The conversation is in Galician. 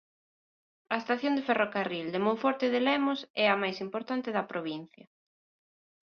A estación de ferrocarril de Monforte de Lemos é a máis importante da provincia.